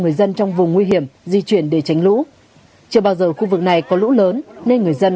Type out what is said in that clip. người dân trong vùng nguy hiểm di chuyển để tránh lũ chưa bao giờ khu vực này có lũ lớn nên người dân